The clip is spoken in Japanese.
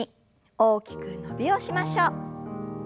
大きく伸びをしましょう。